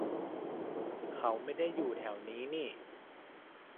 เขาไม่ได้อยู่แถวนี้นี่